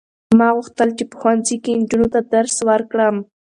ما غوښتل چې په ښوونځي کې نجونو ته درس ورکړم.